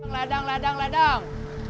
ladang ladang ladang